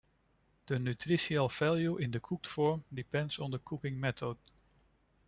The nutritional value in the cooked form depends on the cooking method.